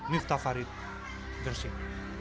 miftah farid gersik